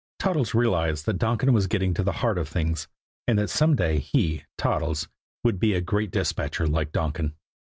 Toddles realized that Donkin was getting to the heart of things, and that some day he, Toddles, would be a great dispatcher like Donkin.